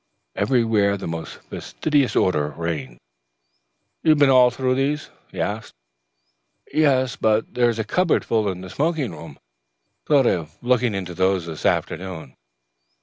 Everywhere the most fastidious order reigned. "You have been through all these?" he asked. "Yes, but there is a cupboard full in the smoking room. I thought of looking into those this afternoon."